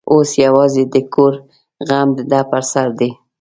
اوس یوازې د کور غم د ده پر سر دی.